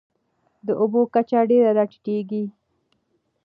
د اوبو کچه ډېره راټیټېږي.